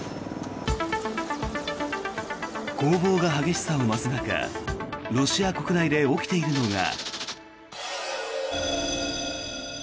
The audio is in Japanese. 攻防が激しさを増す中ロシア国内で起きているのが。